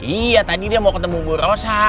iya tadi dia mau ketemu bu rosa